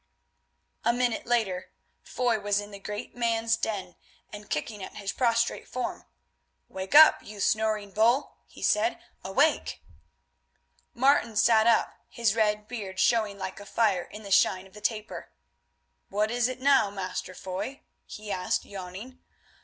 A minute later Foy was in the great man's den and kicking at his prostrate form. "Wake up, you snoring bull," he said, "awake!" Martin sat up, his red beard showing like a fire in the shine of the taper. "What is it now, Master Foy?" he asked yawning.